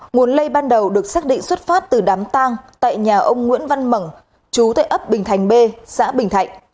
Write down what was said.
nguồn lây ban đầu được xác định xuất phát từ đám tang tại nhà ông nguyễn văn mẩng chú tại ấp bình thành b xã bình thạnh